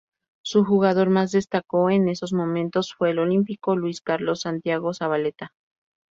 Su jugador más destacó en esos momentos fue el olímpico Luis Carlos Santiago Zabaleta.